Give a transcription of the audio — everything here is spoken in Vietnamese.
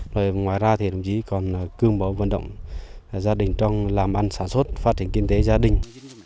rồi ngoài ra thì đồng chí còn cương bố vận động gia đình trong làm ăn sản xuất phát triển kinh tế gia đình